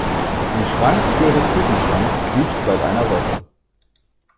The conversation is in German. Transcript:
Die Schranktür des Küchenschranks quietscht seit einer Woche.